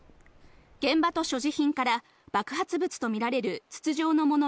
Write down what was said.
現場と所持品から、爆発物と見られる筒状のもの